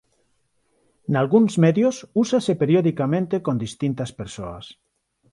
Nalgúns medios úsase periodicamente con distintas persoas.